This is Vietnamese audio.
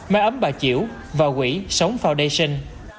mai ấm bà chiểu và quỹ sống foundation